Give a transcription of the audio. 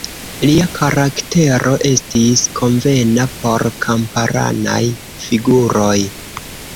Lia karaktero estis konvena por kamparanaj figuroj.